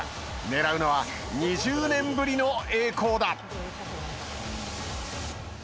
狙うのは、２０年ぶりの栄光だ。